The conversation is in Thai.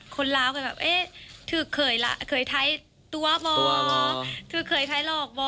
คนราวว่าเขาเคยไทยรอบถึงเธอค่อยไทยรอบบ่